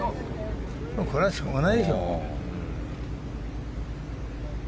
これはしょうがないでしょ。